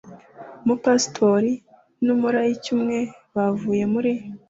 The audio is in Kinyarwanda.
Umupastori n umulayiki umwe bavuye muri